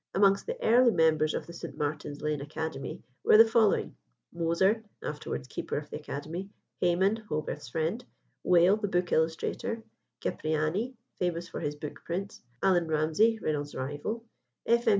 Amongst the early members of the St. Martin's Lane Academy were the following: Moser, afterwards keeper of the Academy; Hayman, Hogarth's friend; Wale, the book illustrator; Cipriani, famous for his book prints; Allan Ramsay, Reynolds's rival; F. M.